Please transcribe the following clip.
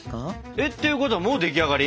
えっっていうことはもうでき上がり？